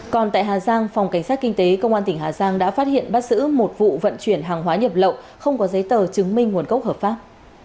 còn tại hà giang phòng cảnh sát kinh tế công an tỉnh hà giang đã phát hiện bắt giữ một vụ vận chuyển hàng hóa nhập lậu không có giấy tờ chứng minh nguồn gốc hợp pháp